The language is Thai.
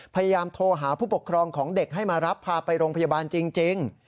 พยายามโทรหาผู้ปกครองของเด็กให้มารับพาไปโรงพยาบาลจริง